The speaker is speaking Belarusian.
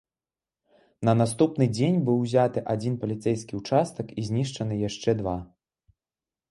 На наступны дзень быў узяты адзін паліцэйскі ўчастак і знішчаны яшчэ два.